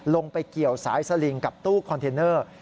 ไปเกี่ยวสายสลิงกับตู้คอนเทนเนอร์